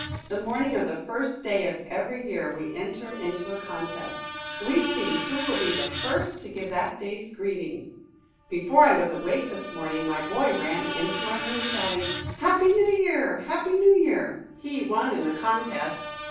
The morning of the first day of every year we enter into a contest. We see who will be the first to give that day's greeting. Before I was awake this morning my boy ran into my room shouting, "Happy New Year! Happy New Year!" He won in the contest.